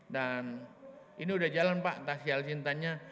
dan ini sudah jalan pak taksi alsintannya